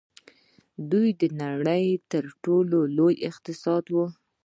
دوی د نړۍ تر ټولو لوی اقتصاد وو.